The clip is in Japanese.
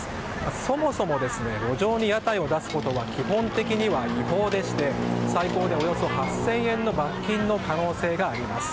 そもそも路上に屋台を出すことは基本的には違法でして最高でおよそ８０００円の罰金の可能性があります。